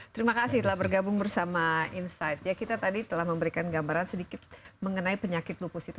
terima kasih telah bergabung bersama insight ya kita tadi telah memberikan gambaran sedikit mengenai penyakit lupus itu